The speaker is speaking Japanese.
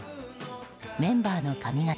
メンバーの髪形